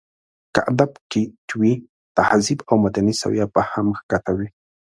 که ادب ټيت وي، تهذيبي او مدني سويه به هم ښکته وي.